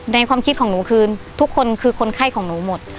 ความคิดของหนูคือทุกคนคือคนไข้ของหนูหมด